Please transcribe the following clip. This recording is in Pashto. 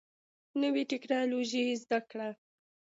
نوي ټکنالوژي زده کړئ